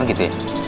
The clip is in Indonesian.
oh gitu ya